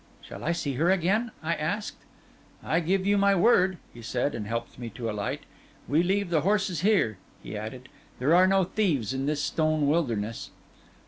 'Shall I see her again?' I asked. 'I give you my word,' he said, and helped me to alight. 'We leave the horses here,' he added. 'There are no thieves in this stone wilderness.